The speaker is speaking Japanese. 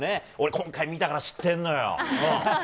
今回見てるから知ってるのよ。